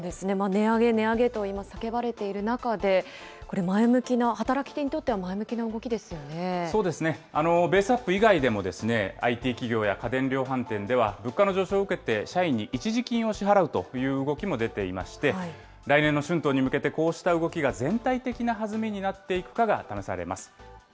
値上げ値上げと今、叫ばれている中で、これ、前向きな、働き手にとっては前向そうですね、ベースアップ以外でも、ＩＴ企業や家電量販店では物価の上昇を受けて社員に一時金を支払うという動きも出ていまして、来年の春闘に向けてこうした動きが全体的なはずみになっていくかが試されます。